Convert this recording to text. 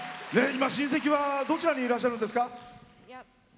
今、親戚はどちらにいらっしゃるんですか？